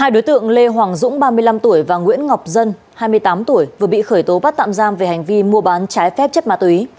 hai đối tượng lê hoàng dũng ba mươi năm tuổi và nguyễn ngọc dân hai mươi tám tuổi vừa bị khởi tố bắt tạm giam về hành vi mua bán trái phép chất ma túy